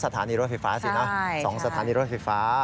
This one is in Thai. ๒สถานีรถไฟฟ้าสินะ